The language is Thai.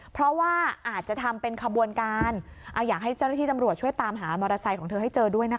เพราะว่าอาจจะทำเป็นขบวนการอยากให้เจ้าหน้าที่ตำรวจช่วยตามหามอเตอร์ไซค์ของเธอให้เจอด้วยนะคะ